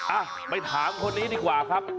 อ่ะไปถามคนนี้ดีกว่าครับ